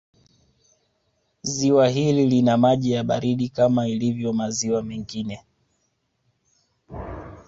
Ziwa hili lina maji ya baridi kama ilivyo maziwa mengine